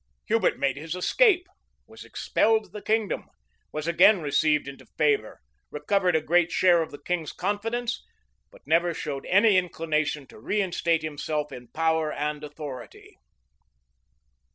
Hubert made his escape, was expelled the kingdom, was again received into favor, recovered a great share of the king's confidence, but never showed any inclination to reinstate himself in power and authority.